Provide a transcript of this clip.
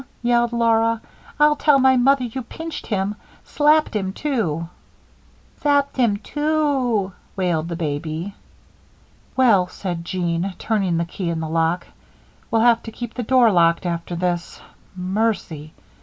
yelled Laura, "I'll tell my mother you pinched him slapped him, too." "Sapped him, too," wailed the baby. "Well," said Jean, turning the key in the lock, "we'll have to keep the door locked after this. Mercy!